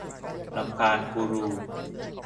รำคาญกูรู